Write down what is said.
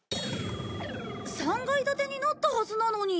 ３階建てになったはずなのに。